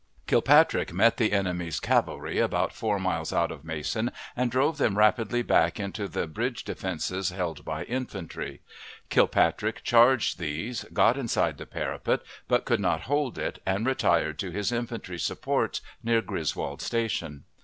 Kilpatrick met the enemy's cavalry about four miles out of Mason, and drove them rapidly back into the bridge defenses held by infantry. Kilpatrick charged these, got inside the parapet, but could not hold it, and retired to his infantry supports, near Griswold Station.